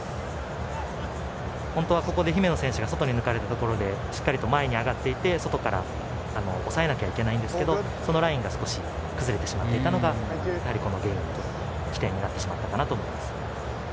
本当は姫野選手が外に抜かれたところで前に上がっていって押さえなきゃいけないんですけどそのラインが崩れてしまっていたのがこのゲインの起点になったかなと思います。